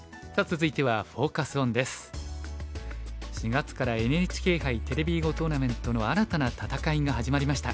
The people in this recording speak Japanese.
４月からＮＨＫ杯テレビ囲碁トーナメントの新たな戦いが始まりました。